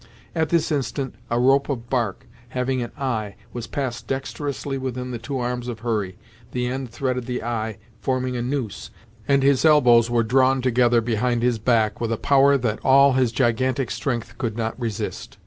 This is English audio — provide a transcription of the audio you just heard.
At this instant a rope of bark, having an eye, was passed dexterously within the two arms of Hurry, the end threaded the eye, forming a noose, and his elbows were drawn together behind his back, with a power that all his gigantic strength could not resist.